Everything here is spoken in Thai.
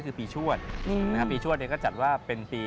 คือปีชวดปีชวดก็จัดว่าเป็นปี